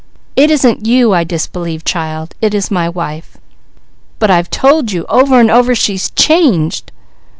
It isn't you I disbelieve, child, it is my wife." "But I've told you over and over that she's changed."